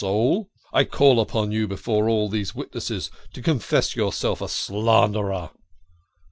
soul? I call on you before all these witnesses to confess yourself a slanderer